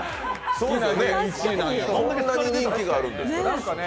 そんなに人気があるんですね。